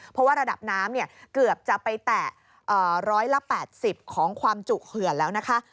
เพราะว่าระดับน้ำเกือบจะไปแตะ๑๘๐ของความจุเขื่อนแล้วนะคะ